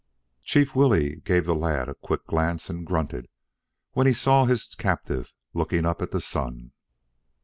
Chief Willy gave the lad a quick glance and grunted when he saw his captive looking up at the sun.